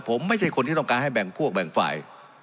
ผมไม่ใช่คนที่ต้องการให้แบ่งพวกแบ่งฝ่าย